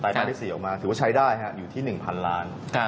การที่๔ออกมาถือว่าใช้ได้อยู่ที่๑๐๐๐ล้าน